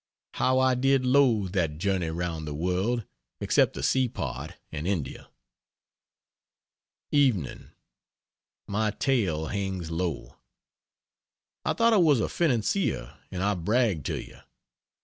How I did loathe that journey around the world! except the sea part and India. Evening. My tail hangs low. I thought I was a financier and I bragged to you.